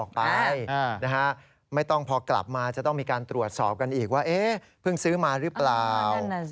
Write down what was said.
ของฉันนะ